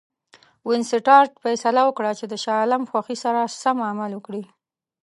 وینسیټارټ فیصله وکړه چې د شاه عالم خوښي سره سم عمل وکړي.